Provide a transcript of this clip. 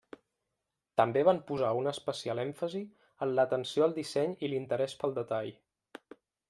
També van posar un especial èmfasi en l'atenció al disseny i l'interès pel detall.